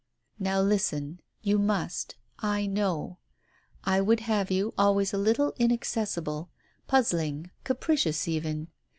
"Now listen. You must. I know. I would have you always a little inaccessible, puzzling, capricious even.